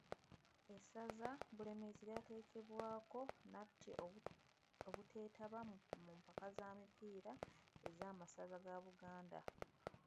Essaza Bulemeezi lyateekebwaako nnatti obuteetaba mu mpaka za mipiira ez’a Masaza ga buganda.